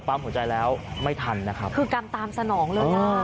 ปั้มหัวใจแล้วไม่ทันนะครับคือการตามสนองเรื่องนี้อ่า